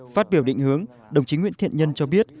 phát biểu định hướng đồng chí nguyễn thiện nhân cho biết